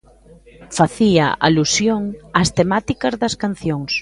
Facía alusión ás temáticas das cancións.